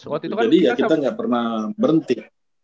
jadi ya kita gak pernah berhenti